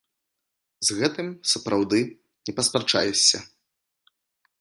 З гэтым, сапраўды, не паспрачаешся.